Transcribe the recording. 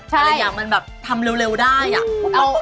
หลายอย่างมันแบบทำเร็วได้อะ